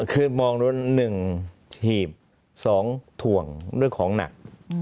คือมองโดน๑หีบ๒ถ่วงด้วยของหนัก